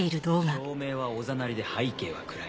照明はおざなりで背景は暗い。